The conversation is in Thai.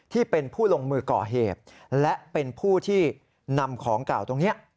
ที่เป็นผู้ลงมือก่อเหตุและเป็นผู้ที่นำของเก่าตรงนี้